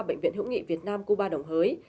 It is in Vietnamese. bệnh viện hữu nghị việt nam cuba đồng hới